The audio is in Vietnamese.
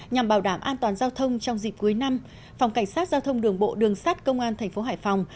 nhằm bảo đảm an toàn giao thông trong dịp cuối năm phòng cảnh sát giao thông đường bộ đường sát công an thành phố hải phòng